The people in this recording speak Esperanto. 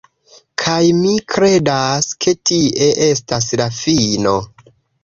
Kaj mi kredas ke tie estas la fino